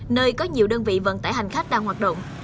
nơi có nhiều đơn vị vận tải hành khách đang hoạt động